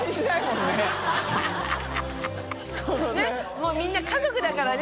もうみんな家族だからね。